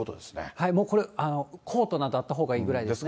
はい、もうこれ、コートなどあったほうがいいぐらいですね。